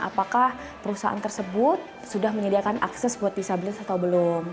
apakah perusahaan tersebut sudah menyediakan akses buat disabilitas atau belum